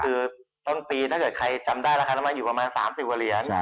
ก็คือต้นปีถ้าใครจำได้นะคะน้ำมันอยู่ประมาณ๓๐เหรียญ